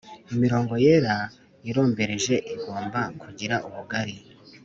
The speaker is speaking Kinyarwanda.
imirongo yera irombereje igomba kugira ubugari